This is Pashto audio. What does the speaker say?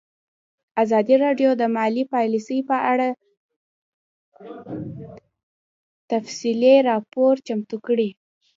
ازادي راډیو د مالي پالیسي په اړه تفصیلي راپور چمتو کړی.